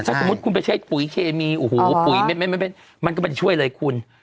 ถ้าสมมุติคุณไปใช้ปุ๋ยเคมีปุ๋ยแม่มันก็ไม่ช่วยเลยคุณ